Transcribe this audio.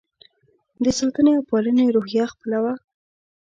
د ساتنې او پالنې روحیه خپله وه.